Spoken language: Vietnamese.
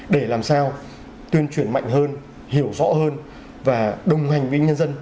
để làm sao tuyên truyền mạnh hơn hiểu rõ hơn và đồng hành với nhân dân